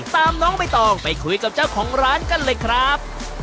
น้องใบตองไปคุยกับเจ้าของร้านกันเลยครับ